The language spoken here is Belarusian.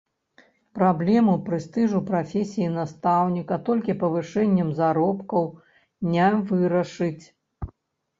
Праблему прэстыжу прафесіі настаўніка толькі павышэннем заробкаў не вырашыць.